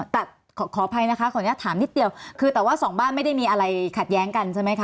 แต่ขออภัยนะคะขออนุญาตถามนิดเดียวคือแต่ว่าสองบ้านไม่ได้มีอะไรขัดแย้งกันใช่ไหมคะ